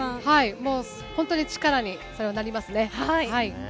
本当に力になりますね。